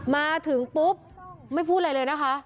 มาถึงปุ๊บไม่พูดอะไรเลยนะคะ